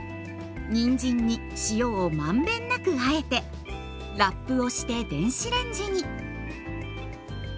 にんじんに塩を満遍なくあえてラップをして電子レンジに。